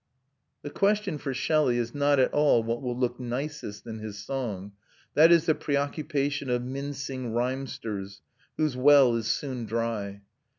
The question for Shelley is not at all what will look nicest in his song; that is the preoccupation of mincing rhymesters, whose well is soon dry.